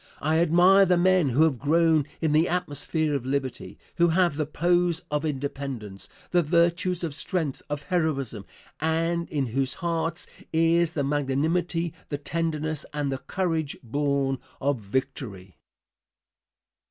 I admire the men who have grown in the atmosphere of liberty, who have the pose of independence, the virtues of strength, of heroism, and in whose hearts is the magnanimity, the tenderness, and the courage born of victory.